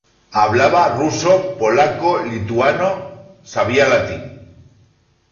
Hablaba ruso, polaco, lituano, sabía latín.